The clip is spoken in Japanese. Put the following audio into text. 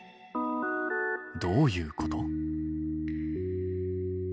どういうこと？